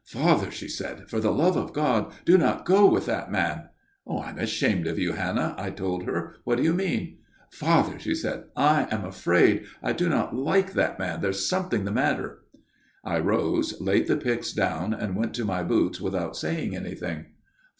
"' Father,' she said, ' for the love of God do not go with that man.' ' I am ashamed of you, Hannah,' I told her. ' What do you mean ?'' Father,' she said, ' I am afraid. I do not like that man. There is something the matter/ " I rose ; laid the pyx down and went to my boots without saying anything.